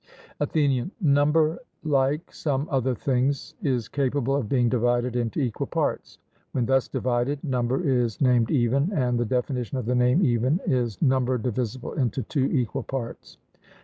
ATHENIAN: Number like some other things is capable of being divided into equal parts; when thus divided, number is named 'even,' and the definition of the name 'even' is 'number divisible into two equal parts'?